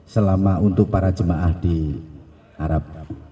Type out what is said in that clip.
selama untuk para jemaah di arab